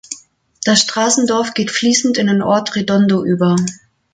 Das Straßendorf geht fließend in den Ort Redondo über.